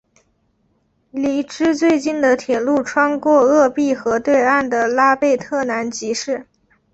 离之最近的铁路穿过鄂毕河对岸的拉贝特南吉市。